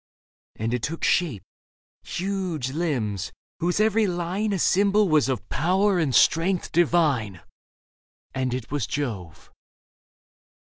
And it took shape — huge limbs, whose every line A symbol was of power and strength divine, And it was Jove.